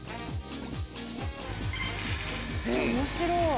面白い！